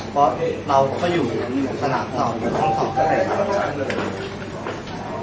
เพราะเราก็อยู่สนามเสาร์หรือห้องสอบก็เลยครับ